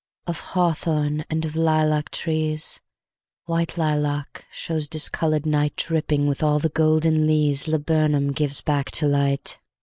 Of hawthorn and of lilac trees, White lilac; shows discoloured nightDripping with all the golden leesLaburnum gives back to light.